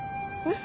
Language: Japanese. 嘘！